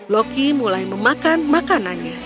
loki mulai memakan makanannya